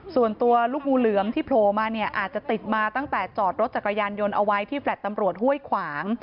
ส่วนตัวลูกงูเหลือมที่โผล่มาเนี่ยอาจจะติดมาตั้งแต่จอดรถจักรยานยนต์เอาไว้ที่แฟลต์ตำรวจห้วยขวาง